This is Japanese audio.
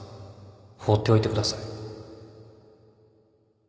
放っておいてください